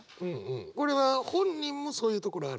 これは本人もそういうところある？